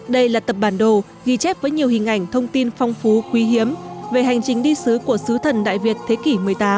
đây là tập bản đồ ghi chép với nhiều hình ảnh thông tin phong phú quý hiếm về hành trình đi xứ của xứ thần đại việt thế kỷ một mươi tám